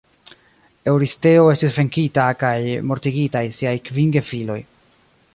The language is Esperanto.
Eŭristeo estis venkita kaj mortigitaj siaj kvin gefiloj.